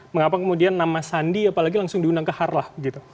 mengapa kemudian nama sandi apalagi langsung diundang ke harlah